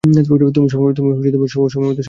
তুমি সময়মতোই সব জেনে যাবে।